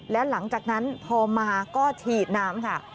และหลังจากนั้นพอมาก็ฉีดน้ำค่ะ